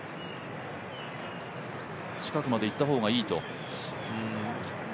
近くまでいった方がいいと？